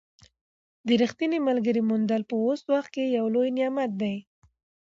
د ریښتیني ملګري موندل په اوس وخت کې یو لوی نعمت دی.